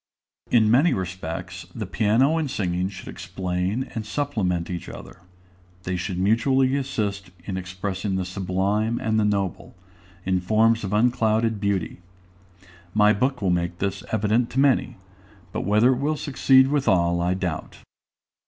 In many respects, the piano and singing should explain and supplement each other. They should mutually assist in expressing the sublime and the noble, in forms of unclouded beauty. My book will make this evident to many; but whether it will succeed with all, I doubt.